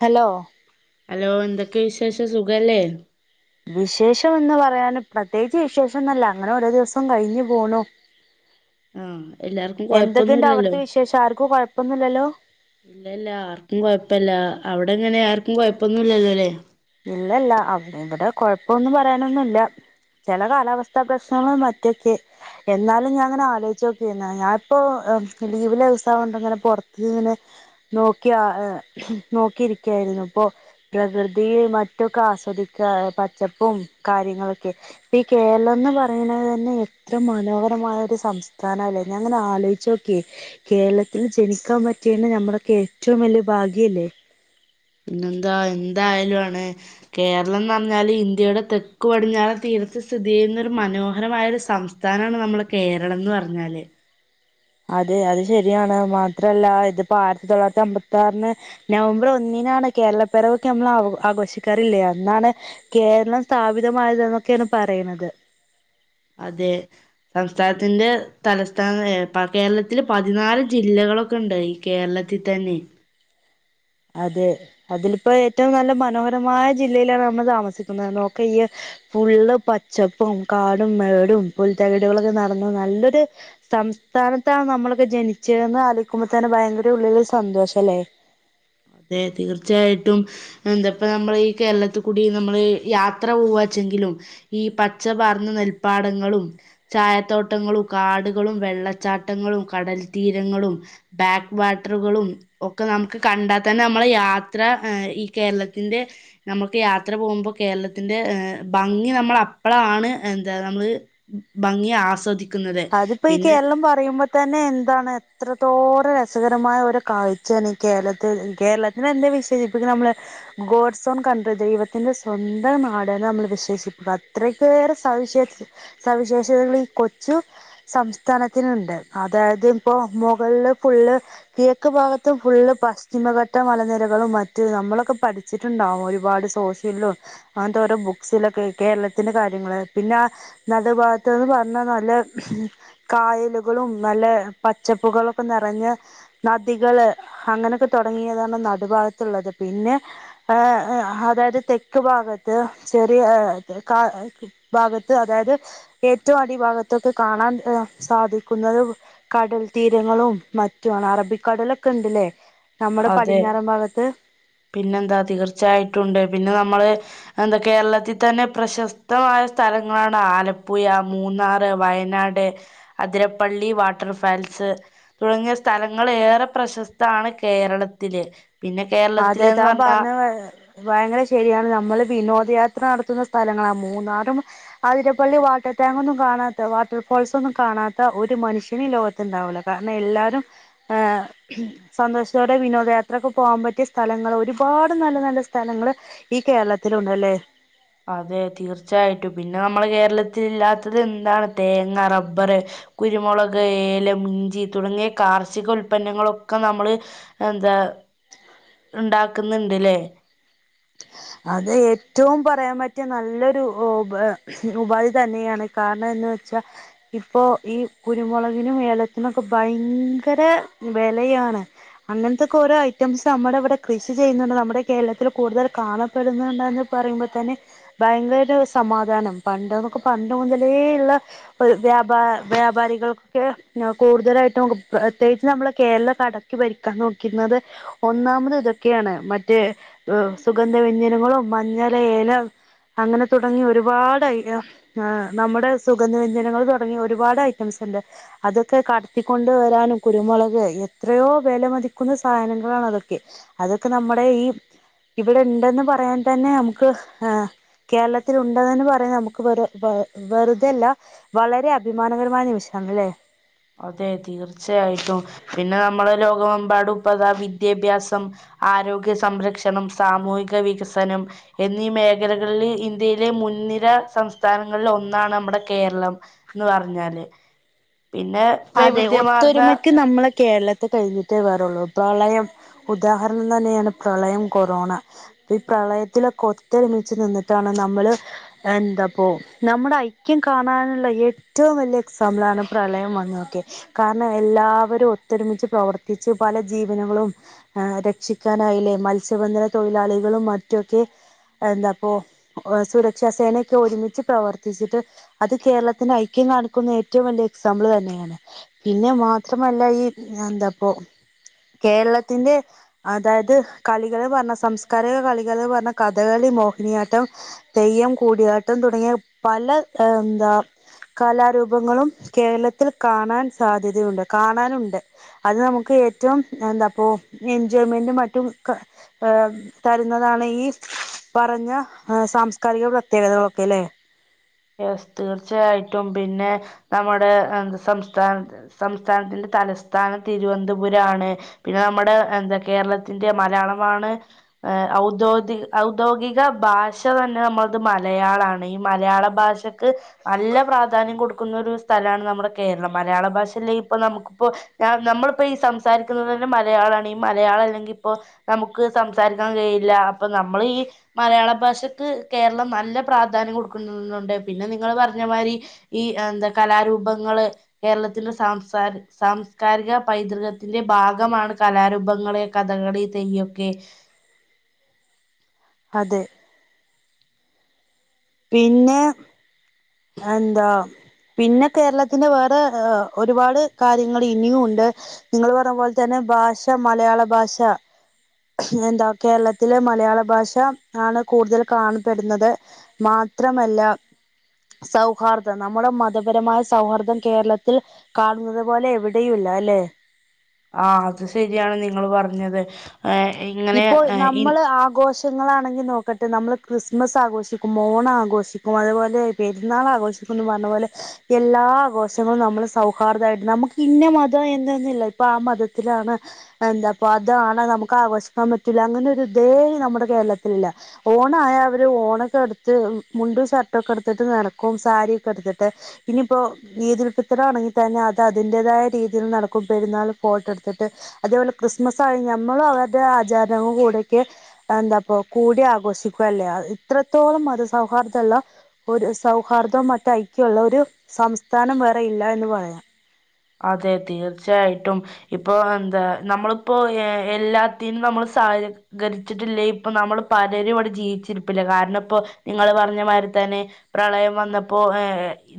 Hello hello എന്തൊക്കെ വിശേഷാ സുഖല്ലേ? വിശേഷം എന്ന് പറയാന് പ്രത്യേകിച്ച് വിശേഷന്നല്ല അങ്ങനെ ഒരോ ദിവസം കഴിഞ്ഞു പോണു. ആഹ് എല്ലാർക്കും എന്തൊക്കെയുണ്ട് കൊഴപ്പൊന്നുല്ലല്ലോ അവിടുത്തെ വിശേഷം ആർക്കും കൊഴപ്പൊന്നുല്ലല്ലോ ഇല്ല ഇല്ല ആർക്കും കൊഴപ്പില്ല അവി വിടെ എങ്ങനെ ആർക്കും കുഴപ്പൊന്നുമില്ലല്ലോല്ലേ? ഇല്ലല്ല അവിടെ ഇവിടെ കുഴപ്പൊന്നും പറയാനൊന്നുമില്ല ചില കാലാവസ്ഥാ പ്രശ്നങ്ങൾ മറ്റൊക്കെ എന്നാലും ഞാൻ അങ്ങനെ ആലോചിച്ചു നോക്കിന്നേ ഞാനിപ്പോ ലീവില്ല ദിവസായോണ്ടിങ്ങനെ പുറത്ത് ഇങ്ങനെ നോക്കിയാ നോക്കിരിക്കായിരുന്നു ഇപ്പൊ പ്രകൃതി മറ്റൊക്കെ ആസ്വദിക്കാ പച്ചപ്പും കാര്യങ്ങളൊക്കെ ഇപ്പ ഈ കേരളംന്ന് പറയുന്നത് തന്നെ എത്ര മനോഹരമായ ഒരു സംസ്ഥാന അല്ലേ ഞാൻ അങ്ങനെ ആലോചിച്ചു നോക്കിയെ കേരളത്തിൽ ജനിക്കാൻ പറ്റിയന്നെ നമ്മളൊക്കെ ഏറ്റവും വലിയ ഭാഗ്യല്ലേ? പിന്നെന്താ എന്തായാലും ആണ് കേരളംന്ന് പറഞ്ഞാല് ഇന്ത്യയുടെ തെക്ക് പടിഞ്ഞാറേ തീരത്ത് സ്ഥിതി ചെയ്യുന്ന ഒരു മനോഹരമായ ഒരു സംസ്ഥാനമാണ് നമ്മുടെ കേരളംന്ന് പറഞ്ഞാല്. അതെ അത് ശരിയാണ് മാത്രല്ല ഇതിപ്പോ ആയിരത്തി തൊള്ളായിരത്തി അമ്പത്തി ആറിന് നവംബർ ഒന്നിനാണ് കേരളപ്പെറവൊക്കെ നമ്മൾ ആ ആഘോഷിക്കാറില്ലേ അന്നാണ് കേരളം സ്ഥാപിതമായത് എന്നൊക്കെയാണ് പറയണന്നത്. അതേ സംസ്ഥാനത്തിന്റെ തലസ്ഥാന ഏ കേരളത്തില് പതിനാല് ജില്ലകളൊക്കെ ഉണ്ട് ഈ കേരളത്തിൽ തന്നെ. അതെ അതിലിപ്പോ ഏറ്റവും നല്ല മനോഹരമായ ജില്ലയിലാണ് നമ്മള് താമസിക്കുന്നത് നോക്കേ ഈ ഫുള്ള് പച്ചപ്പും കാടും മേടും പുൽത്തകിടുകളൊക്കെ നടന്ന് നല്ലൊരു സംസ്ഥാനത്താണ് നമ്മളൊക്കെ ജനിച്ചേന്ന് ആലോയിക്കുമ്പോ തന്നെ ഭയങ്കര ഉള്ളിലൊരു സന്തോഷല്ലേ? അതെ തീർച്ചയായിട്ടും എന്താപ്പ നമ്മളീ കേരളത്തിൽ കൂടി നമ്മൾ യാത്ര പോവാച്ചെങ്കിലും ഈ പച്ച പാർന്ന നെൽപ്പാടങ്ങളും ചായത്തോട്ടങ്ങളും കാടുകളും വെള്ളച്ചാട്ടങ്ങളും കടൽ തീരങ്ങളും ബാക്ക് വാട്ടറുകളും ഒക്കെ നമുക്ക് കണ്ടാ തന്നെ നമ്മള യാത്ര ഈ കേരളത്തിന്റെ നമ്മുക്ക് യാത്ര പോകുമ്പോ കേരളത്തിന്റെ ഏഹ് ഭംഗി നമ്മൾ അപ്പഴാണ് എന്താ നമ്മള് ഭംഗി ആസ്വദിക്ക അതിപ്പോ ഈ കേരളം പറയുമ്പോ തന്നെ എന്താണ് എത്രത്തോറെ രസകരമായ ഒരു കാഴ്ച തന്ന ഈ കേരളത്തി കേരളത്തിനെ എന്തെ വിശേഷിപ്പിക്കുന്നത് നമ്മള് ഗോഡ്സോൺ കൺട്രി ദൈവത്തിൻ്റെ സ്വന്തം നാടെ നമ്മൾ വിശേഷിപ്പിക്കുക അത്രക്കേറെ സവിശേഷ സവിശേഷതകൾ ഈ കൊ ച്ചു സംസ്ഥാനത്തിനുണ്ട് അതായത് ഇപ്പോ മുകളില് ഫുള്ള് കിഴക്ക് ഭാഗത്ത് ഫുള്ള് പശ്ചിമഘട്ട മലനിരകളും മറ്റ നമ്മളൊക്കെ പഠിച്ചിട്ടുണ്ടാവും ഒരുപാട് സോഷ്യലിലും അങ്ങനത്തെ ഓരോ ബുക്സിലൊക്കെ കേരളത്തിന്റെ കാര്യങ്ങള് പിന്നെ നടു ഭാഗത്തുന്ന് പറഞ്ഞ നല്ല കായലുകളും നല്ല പച്ചപ്പുകളൊക്കെ നിറഞ്ഞ നദികള് അങ്ങനെയൊക്കെ തുടങ്ങിയതാണ് നടുഭാഗത്തുള്ളത്, പിന്നെ അതായത് തെക്ക് ഭാഗത്ത് ചെറിയ കാ ഭാഗത്ത് അതായത് ഏറ്റവും അടി ഭാഗ ത്തൊക്കെ കാണാൻ സാധിക്കുന്നത് കടൽ തീരങ്ങളും മറ്റുവാണ് അറബിക്കടലൊക്കെ ഉണ്ടില്ലേ? അതെ പിന്നെന്താ തീർച്ചയായിട്ടുണ്ട് പിന്നെ നമ്മള് എന്താ കേരളത്തിൽ തന്നെ പ്രശസ്തമായ സ്ഥലങ്ങളാണ് ആലപ്പുഴ, മൂന്നാർ, വയനാട്, അതിരപ്പള്ളി വാട്ടർ ഫാൽസ് തുടങ്ങിയ സ്ഥലങ്ങൾ ഏറെ പ്രശസ്താണ് കേ കേരളത്തില്. അതെ താൻ പറഞ്ഞാ പറഞ്ഞ ഭയങ്കര ശരിയാണ് നമ്മള് വിനോദയാത്ര നടത്തുന്ന സ്ഥലങ്ങളാണ് മൂന്നാറും ആതിരപ്പള്ളി വാട്ടർ ടാങ്ക്ൊന്നും കാണാത്ത വാട്ടർ ഫോൾസൊന്നും കാണാത്ത ഒരു മനുഷ്യന്ും ലോകത്ത്ുണ്ടാവില്ല കാരണം എല്ലാരരും ഹ സന്തോഷത്തോടെ വിനോദയാത്രൊക്കെ പോകാൻ പറ്റ മറ്റ സ്ഥലങ്ങൾ ഒരുപാട് നല്ല നല്ല സ്ഥലങ്ങള്ൾ ഈ കേരളത്തിണ്ടല്ലേ അതെ തീർച്ചയായിട്ടും പിന്നെ നമ്മെ കേരളത്തി ഇല്ലാത്തത് എന്താണ് തേങ്ങ റബ്ബർ കുരുമുളക് ഏല ഇഞ്ചി തുടങ്ങിയ കാർഷിക ഉൽപന്നങ്ങളൊക്കെ നമ്മള് എന്താ ഉണ്ടാക്കുന്നുണ്ട്ല്ലേ അത് ഏറ്റവും പറയാൻ പറ്റിയ നല്ലൊരു ഉപാധി തന്നെയാണ് കാരണം എന്ന് വെച്ചാ ഇപ്പൊ ഈ കുരുമുളകിനും ഏലത്തിനൊക്കെ ഭയങ്കര വിലയാണ് അങ്ങനത്തത്തെൊക്കെ ഓരോ ഐറ്റംസ് നമ്മുടെ ഇവിടെ കൃഷി ചെയ്യുന്നുണ്ട് നമ്മുടെ കേരളത്തിൽ കൂടുതൽ കാണ ടുന്നുണ്ടന്ന് പറയുമ്പോ തന്നെ ഭയങ്കര സമാധാനം പണ്ട് നൊക്കെ പണ്ട് മുതലേുള്ള വ്യാപാരികൾക്ക് ക്കൊക്കെ കൂടുതലായിട്ടും പ്രത്യേകിച്ച് നമ്മള കേരള കടക്കി ഭരിക്കാൻ നോക്കുന്നത് ഒന്നാമത് ഇതൊക്കെയാണ് മറ്റേ സുഗന് വ്യഞ്ജനങ്ങളും മഞ്ഞൾ ഏല അങ്ങനെ തുടങ്ങി ഒരുപാട് നമ്മുടെ സുഗന്ധവ്യഞ്ജനങ്ങൾ തുടങ്ങിയ ഒരുപാട് ഐറ്റംസ് ഉണ്ട് അതൊക്കെ കടത്തിക്കൊണ്ട് വരാനും കുരുമുളക് എത്രയോ വില മതിക്കുന്ന സാധനങ്ങളാണ് അതൊക്കെ അതൊക്കെ നമ്മുടെ ഈ ഇവിടെ ഉണ്ടന്ന് പറയാൻ തന്നെ നമുക്ക് കേരളത്തിൽ ഉണ്ടതെന്ന് പറയാൻ നമുക്ക് വെറുതല്ല വളരെ അഭിമാനകരമായ നിമിഷണല്ലേ അതെ തീർച്ചയായിട്ടും പിന്നെ നമ്മള ലോകമെമ്പാടു ഇപ്പൊ ദാ വിദ്യാഭ്യാസം ആരോഗ്യ സംരക്ഷണം സാമൂഹിക വികസനം എന്നീ മേഖലകളിൽ ഇന്ത്യയിലെ മുൻനിര സംസ്ഥാനങ്ങളിൽ ഒന്നാണ് നമ്മുടെ കേരളം എന്ന് പറഞ്ഞാല് പിന്നെ അതെ വൈവിധ്യമാർന്ന ഒത്തൊരുമക്ക് നമ്മളെ കേരളത്തി കഴിഞ്ഞിട്ടേ വേറുള്ളൂ പ്രളയം ഉദാഹരണം തന്നെയാണ് പ്രളയം കൊറോണ ഈ പ്രളയത്തിലൊക്കെ ഒത്തൊരുമിച്ച് നിന്നിട്ടാണ് നമ്മള് എന്താപ്പോ നമ്മുടെ ഐക്യം കാണാനുള്ള ഏറ്റവും വലിയ എക്സാമ്പിൾ ആണ് പ്രളയം വ കാരണം എല്ലാവരും ഒത്തൊരുമിച്ച് പ്രവർത്തിച്ച് പല ജീവനങ്ങളും രക്ഷിക്കാനായില്ലേ മത്സ്യബന്ധന തൊഴിലാളികളും മറ്റൊക്കെ എന്താപ്പ സുരക്ഷാ സേനയൊക്കെ ഒരുമിച്ച് പ്രവർത്തിച്ചിട്ട് അത് കേരളത്തിന് ഐക്യം കാണിക്കുന്ന ഏറ്റവും വലിയ എക്സാമ്പിൾ തന്നെയ പിന്നെ മാത്രമല്ല ഈ എന്താപ്പോ കേരളത്തിന്റെ അതായത് കളികൾ പറഞ്ഞ സാംസ്കാരിക കളികൾ പറഞ്ഞ കഥകളി മോഹിനിയാട്ടം തെയ്യം കൂടിയാട്ടം തുടങ്ങിയ പല എന്താ കലാരൂപങ്ങളും കേരളത്തി ത്തിൽ കാണാൻ സാധ്യതയുണ്ട് കാണാനുണ്ട് അത് നമുക്ക് ഏറ്റവും എന്താപ്പ എൻജോയ്മെന്റും മറ്റും ഏർ തരുന്നതാണ് ഈ പറഞ്ഞ സാംസ്കാരിക പ്രത്യേകതകളൊക്കെ അല്ലെ തീർച്ചയായിട്ടും പിന്നെ നമ്മുടെ സംസ്ഥാന സംസ്ഥാനത്തിന്റെ തലസ്ഥാനം തിരുവനന്തപുരം ആണ് പിന്നെ നമ്മുടെ എന്താ കേരളത്തിന്റെ മലയാളമാണ് ഔദ്യോഗിക ഔദ്യോഗിക ഭാഷ തന്നെ നമ്മളത് മലയാളാണ് ഈ മലയാള ഭാഷക്ക് നല്ല പ്രാധാന്യം കൊടുക്കുന്ന ഒരു സ്ഥലമാണ് നമ്മുടെ കേരളം മലയാള ഭാഷ അല്ലെങ്ക ഇപ്പ നമുക്കിപ്പോ നമ്മളിപ്പോ ഈ സംസാരിക്കുന്നത് തന്നെ മലയാളാണ് ഈ മലയാളം അല്ലെങ്കിൽ ഇപ്പോ നമുക്ക് സംസാരിക്കാൻ കഴിയില്ല അപ്പൊ നമ്മൾ ഈ മലയാള ഭാഷക്ക് കേരളം നല്ല പ്രാധാന്യം കൊടുക്കുന്ന ണ്ട് പിന്നെ നിങ്ങള്ൾ പറഞ്ഞമാതിരി ഈ എന്താ കലാരൂപങ്ങള് കേരളത്തിന്റെ സാംസ്കാരിക പൈതൃകത്തിന്റെ ഭാഗമാണ് കലാരൂപങ്ങള്െ കഥകളി തെയ്യൊക്കെ അതെ പിന്നെ എന്താ പിന്നെ കേരളത്തിന്റെ വേറെ ഒരുപാട് കാര്യങ്ങൾ ഇനിയും ഉണ്ട് നിങ്ങൾ പറഞ്ഞപോലെ തന്നെ ഭാഷ മലയാള ഭാഷ എന്താ കേരളത്തിലെ മലയാള ഭാഷ ആണ് കൂടുതൽ കാണപ്പെടുന്നത് മാത്രമല്ല സൗഹാർദം നമ്മുടെ മതപരമായ സൗഹാർദം കേരളത്തിൽ കാണുന്നത് പോലെ എവിടെയയുംല്ല അല്ലെ ആ അത് ശരിയാണ് നിങ്ങ പറഞ്ഞത് ഇപ്പോ ഇങ്ങനെ നമ്മള് ആഘോഷ നിങ്ങൾ ആണെങ്കിൽ നോക്കട്ടെ നമ്മൾ ക്രിസ്മസ് ആഘോഷിക്കും ഓണം ആഘോഷിക്കും അതുപോലെ പെരുന്നാൾ ആഘോഷിക്കുംന്ന് പറഞ്ഞപോലെ എല്ലാ ആഘോഷങ്ങളും നമ്മള് സൗഹാർദ്ദമായിട്ട് നമുക്ക് ഇന്ന മതം എന്തന്നില്ല ഇപ്പൊ ആ മതത്തിലാണ് എന്താപ്പ അതാണ് നമുക്ക് ആഘോഷ ആാൻ പറ്റില്ല അങ്ങനെൊ ഒരു ഇതേ നമ്മുടെ കേരളത്തിലല്ല ഓണായവര് ഓണൊക്കെ എടുത്ത് മുണ്ടു ഷർട്ടൊക്കെ എടുത്തിട്ട് നടക്കും സാരിൊക്കെ എടുത്തിട്ട് ഇനിയിപ്പോ ഇതുൾഫിദർ തന്നെ അത് അതിൻ്തായ രീതിയിൽ നടക്കും പെരുന്നാൾ ഫോട്ടോ എടുത്തിട്ട് അതേപോലെ ക്രിസ്മസ് ആ നമ്മള അവർ ആചാരണങ്ങൾ കൂടെയൊക്കെ എന്താപ്പ കൂടി ആഘോഷിക്കുക അല്ലേ ഇത്രത്തോളം മതസൗഹാർദമുള്ള ഒരു ഐക്യമുള്ള ഒരു സംസ്ഥാനം വേറെ ഇല്ല എന്ന് പറയാം അതെ തീർച്ചയായിട്ടും ഇപ്പൊ എന്താ നമ്മളിപ്പോ എല്ലാത്തിനും നമ്മൾ സഹകരിച്ചിട്ടില്ലേ ഇപ്പൊ നമ്മൾ പലരും ഇവിടെ ജീവിച്ചിരിപ്പില്ല കാരണം ഇപ്പോ നിങ്ങള് പറഞ്ഞ മാതിരി തന്നെ പ്രളയം വന്നപ്പോ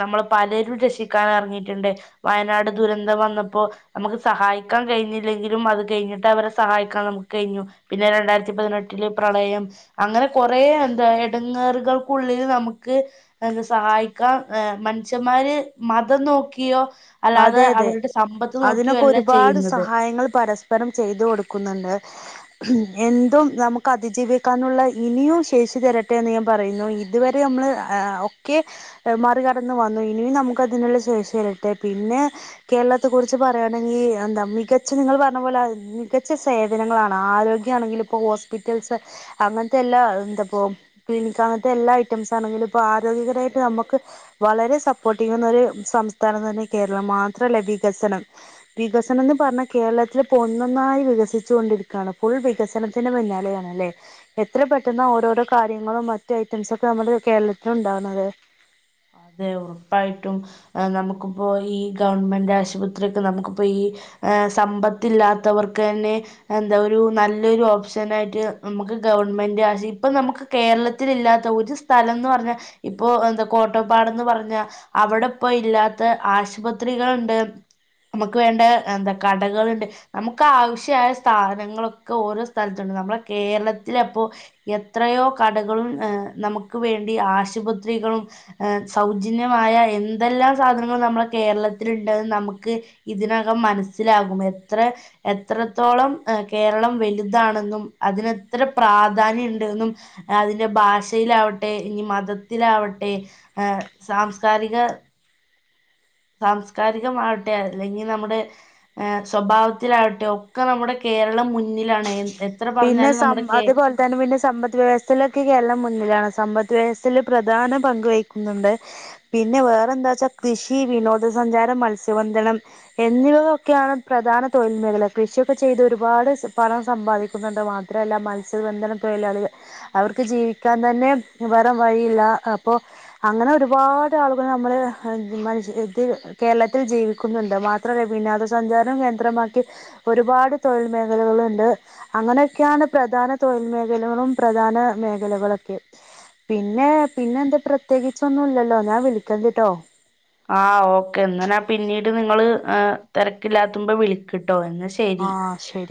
നമ്മൾ പലരും രക്ഷിക്കാാന ഇറങ്ങിട്ടുണ്ട് വയനാട് ദുരന്തം വന്നപ്പോ നമുക്ക് സഹായിക്കാൻ കഴിഞ്ഞില്ലെങ്കിലും അത് കഴിഞ്ഞിട്ട് അവരെ സഹായിക്കാൻ നമുക്ക് കഴിഞ്ഞു പിന്നെ രണ്ടായിരത്തി പതിനെട്ടില് പ്രളയം അങ്ങനെ കുറെേ എന്താ ഇടങ്ങറുകൾക്കുള്ളിൽ നമുക്ക് എന്താ സഹായിക്കാൻ മനുഷ്യന്മാര് മതം നോക്കിയോ അല്ലാതെ അതെ അതെ അവരുടെ സമ്പത്ത് നോക്കിയോ അതിനൊക്കെ അല്ല ഒരുപാട് ചെയ്യുന്നത്. സഹായങ്ങൾ പരസ്പരം ചെയ്തു കൊടുക്കുന്നുണ്ട് എന്തും നമുക്ക് അതിജീവിക്കാനുള്ള ഇനിയും ശേഷി തരട്ടെ എന്ന് ഞാൻ പറയുന്നു ഇതുവരെ നമ്മൾ ഒക്കെ മറികടന്ന വന്നു ഇനിയും നമുക്ക്തിനുള്ള ശേഷി തരട്ടെ പിന്നെ കേരളത്തെ കുുറിച്ച് പറയുകയാണെങ്കിൽ എന്താ മികച്ച നിങ്ങൾ പറഞ്ഞ പോലെ മികച്ച സേവനങ്ങളാണ് ആരോഗ്യമാണെങ്കില ഇപ്പോൾ ഹോസ്പിറ്റൽസ് അങ്ങനത്തെ എല്ലാ എന്താപ്പോൾ ക്ലിനിക് അങ്ങനത്തെ എല്ലാ ഐറ്റംസ് ആണെങ്കിലും ഇപ്പോൾ ആരോഗ്യകരമായിട്ട് നമുക്ക് വളരെ സപ്പോർട്ടീ ചെയുന്നൊ ഒരു സംസ്ഥാനം തന്നെ കേരളം മാത്രല്ലേ വികസനം വികസനംന്ന് പറഞ്ഞാ കേരളത്തിൽ ഒന്ന് ഒന്നായി വികസിച്ചു കൊണ്ടിരിക്കുകയാണ് ഫുൾ വികസനത്തിന്റെ പിന്നാലെയാണ്ല്ലേ എത്ര പെട്ടെന്ന് ഓരോരോ കാര്യങ്ങളും മറ്റു ഐറ്റംസ ഒക്കെ നമ്മുടെ കേരളത്തി ഉണ്ടാവുന്നത് അതെ ഉറപ്പായിട്ടും നമുക്കിപ്പോൊ ഈ ഗവൺമെന്റ് ആശുപത്രിക്കെ നമുക്കിപ്പോ ഈ സമ്പത്തില്ലാത്തവർക്ക് തന്നെ എന്താ ഒരു നല്ലൊരു ഓപ്ഷന ആയിട്ട് നമുക്ക് ഗവൺമെന്റ് ഇപ്പൊ നമുക്ക് കേരളത്തി ഇല്ലാത്ത ഒരു സ്ഥലംന്ന് പറഞ്ഞാ ഇപ്പൊ എന്ത കോട്ടപ്പാട്ന്ന് പറഞ്ഞാ അവിടെ ഇപ്പോ ഇല്ലാത്ത ആശുപത്രികൾുണ്ട് നമുക്ക് വേണ്ട എന്താ കടകളുണ്ട് നമുക്ക് ആവശ്യമായ സ്ഥാധനങ്ങളൊക്കെ ഓരോ സ്ഥലത്തുണ്ട് നമ്മള കേരളത്തില അപ്പോ എത്രയോ കടകളും നമുക്ക് വേണ്ടി ആശുപത്രികളും സൗജന്യമായ എന്തെല്ലാം സാധനങ്ങളും നമ്മുടെ കേരളത്തി ഉണ്ടന്ന് നമുക്ക് ഇതിനകം മനസ്സിലാകും എത്ര എത്രത്തോളം കേരളം വലുതാണെന്നും അതിനെത്ര പ്രാധാന്യം ഉണ്ട്ന്നും അതിന്റെ ഭാഷയിലാവട്ടെ ഇനി മതത്തിലാവട്ടെ സാംസ്കാരിക സാംസ്കാരികമാവട്ടെോ അല്ലെങ്കിൽ നമ്മുടെ സ്വഭാവത്തിലാവട്ടെ ഒക്കെ നമ്മുടെ കേരളം മുന്നിലാണ് എത്ര പിന്നെ പറഞ്ഞാലും നമ്മുടെ കേ അതേപോലെ തന്നെ സമ്പദ് വ്യവസ്ഥയിലൊക്കെ കേരളം മുന്നിലാണ് സമ്പ വിദ്യസൽ [unintelligible] പ്രധാന പങ്കക് വഹിക്കുന്നുണ്ട് പിന്നെ വേറെ എന്താ വച്ചാൽ കൃഷി വിനോദസഞ്ചാരം മത്സ്യബന്ധനം എന്നിവയൊക്കെയാണ് പ്രധാന തൊഴിൽ മേഖല കൃഷിയൊക്കെ ചെയ്ത് ഒരുപാട് പണം സമ്പാദിക്ക ുന്നുണ്ട് മാത്രല്ല മത്സ്യബന്ധനം തൊഴിലാളികൾ അവർക്ക് ജീവിക്കാൻ തന്നെ വേറെ വഴിയില്ല അപ്പൊ അങ്ങനെ ഒരുപാട് ആളുകൾ നമ്മള് മനുഷ്യർ ഇത് കേരളത്തിൽ ജീവിക്കുന്നുണ്ട് മാത്രല്ല വിനോദ സഞ്ചാരം കേന്ദ്രമാക്കി ഒരുപാട് തൊഴിൽ മേഖലകളുണ്ട് അങ്ങനെയൊക്കെയാണ് പ്രധാന തൊഴിൽ മേഖലകളും പ്രധാന മേഖലകളൊക്കെ പിന്നെ പിന്നെന്താ പ്രത്യേകിച്ചൊന്നും ഇല്ലല്ലോ ഞാൻ വിളിക്കതിട്ടോ ആ് ഓക്കെ എന്നനാ പിന്നീട് നിങ്ങള്ൾ തിരക്കില്ലാത്തുമ്പോ വിളിക്കട്ട് ട്ടോ ന്നാ ശരി ആഹ് ശരി